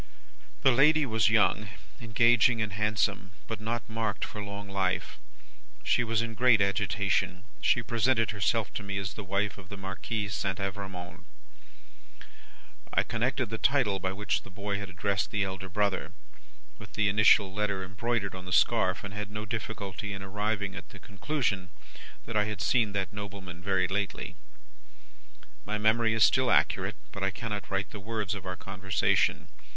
"The lady was young, engaging, and handsome, but not marked for long life. She was in great agitation. She presented herself to me as the wife of the Marquis St. Evrémonde. I connected the title by which the boy had addressed the elder brother, with the initial letter embroidered on the scarf, and had no difficulty in arriving at the conclusion that I had seen that nobleman very lately. "My memory is still accurate, but I cannot write the words of our conversation.